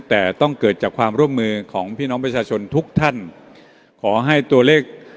แต่ต้องเกิดจากความร่วมมือของพี่น้องประชาชนทุกท่านขอให้ตัวเลข